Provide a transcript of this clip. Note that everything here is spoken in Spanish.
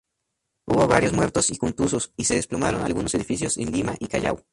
Hubo varios muertos y contusos, y se desplomaron algunos edificios en Lima y Callao.